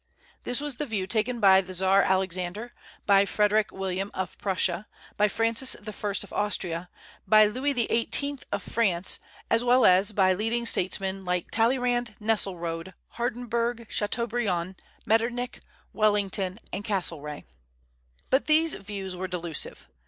This was the view taken by the Czar Alexander, by Frederick William of Prussia, by Francis I. of Austria, by Louis XVIII. of France, as well as by leading statesmen like Talleyrand, Nesselrode, Hardenberg, Chateaubriand, Metternich, Wellington, and Castlereagh. But these views were delusive.